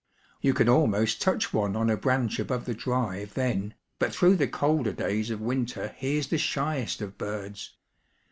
You can almost touch one on a branch above the drive then, but through the colder days of winter he is the shyest of birds.